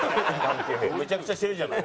めちゃくちゃしてない。